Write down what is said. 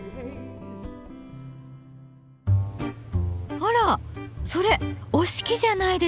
あらそれ折敷じゃないですか。